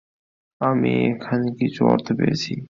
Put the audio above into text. আমি এখানে কিছু অর্থ পেয়েছি।